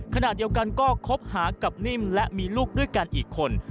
ขณะเดียวกันก็คบหากับนิ่มและมีลูกด้วยกันอีกคน